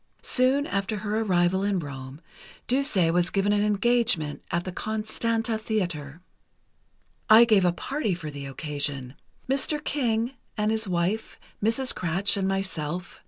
Soon after her arrival in Rome, Duse was given an engagement at the Constanta Theatre. "I gave a party for the occasion—Mr. King and his wife, Mrs. Kratsch and myself.